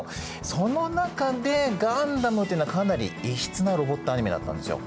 その中でガンダムっていうのはかなり異質なロボットアニメだったんですよ。